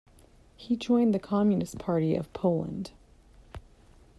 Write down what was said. He joined the Communist Party of Poland.